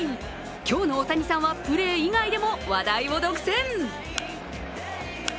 今日の大谷さんはプレー以外でも話題を独占。